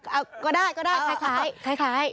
เอ้าก็ได้คล้าย